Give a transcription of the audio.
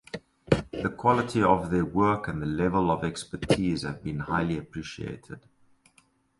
The quality of their work and the level of expertise have been highly appreciated.